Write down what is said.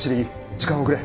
時間をくれ。